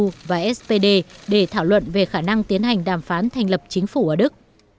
tổng thống đức frank walster steinmeier sẽ thảo luận về khả năng tiến hành đàm phán thành lập chính phủ ở đức